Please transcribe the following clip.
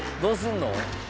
どうすんの？